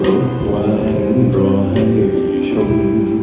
รักหวังรอให้ชม